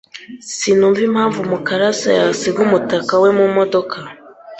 Sinumva impamvu Mukarasa yasiga umutaka we mumodoka.